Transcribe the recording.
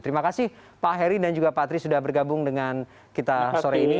terima kasih pak heri dan juga pak tri sudah bergabung dengan kita sore ini